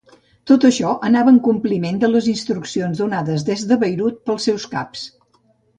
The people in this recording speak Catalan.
Tot això anava en compliment de les instruccions donades des de Beirut pels seus caps.